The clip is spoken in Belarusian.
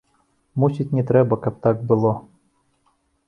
Мусіць, не трэба, каб так было.